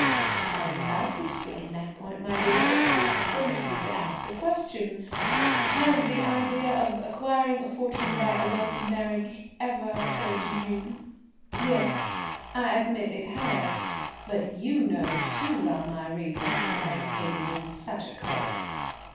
"I was about to explain that point, my dear; but first permit me to ask a question,–has the idea of acquiring a fortune by a wealthy marriage ever occurred to you?" "Yes, I admit it has. But you know too well my reasons for hesitating in such a course."